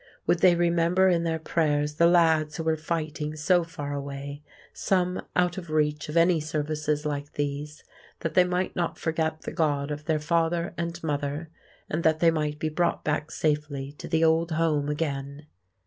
Would they remember in their prayers the lads who were fighting so far away, some out of reach of any services like these, that they might not forget the God of their father and mother, and that they might be brought back safely to the old home again.